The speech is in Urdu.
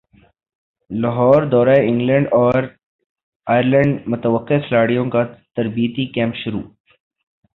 لاہوردورہ انگلینڈ اور ئرلینڈمتوقع کھلاڑیوں کا تربیتی کیمپ شروع